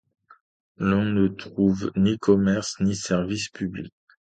L'on ne trouve ni commerces, ni services publics.